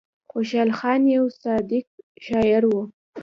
خوشال خان يو صادق شاعر وو ـ